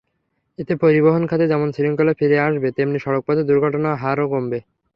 এতে পরিবহন খাতে যেমন শৃঙ্খলা ফিরে আসবে, তেমনি সড়কপথে দুর্ঘটনার হারও কমবে।